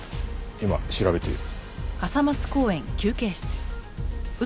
今調べている。